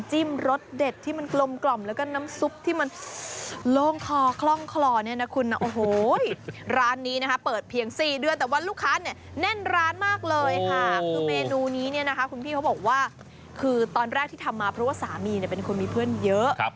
หรือว่าคือตอนแรกที่ทำมาเพราะว่าสามีเนี่ยเป็นคนมีเพื่อนเยอะ